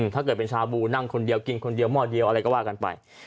ถ้าเกิดเป็นชาบูนั่งคนเดียวกินคนเดียวหม้อเดียวอะไรก็ว่ากันไป